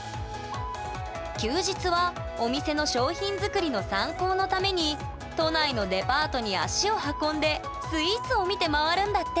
休日はお店の商品作りの参考のために都内のデパートに足を運んでスイーツを見て回るんだって！